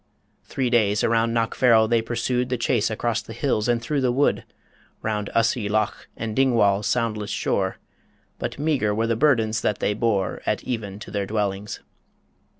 Three days around Knockfarrel they pursued The chase across the hills and through the wood, Round Ussie Loch and Dingwall's soundless shore; But meagre were the burdens that they bore At even to their dwellings.